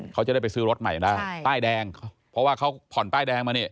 เขาจะได้ไปซื้อรถใหม่ได้ป้ายแดงเพราะว่าเขาผ่อนป้ายแดงมานี่